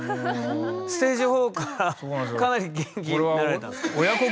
ステージ４からかなりギンギンになられたんですか？